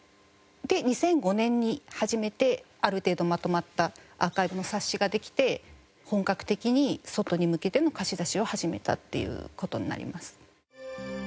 で２００５年に始めてある程度まとまったアーカイブの冊子ができて本格的に外に向けての貸し出しを始めたっていう事になります。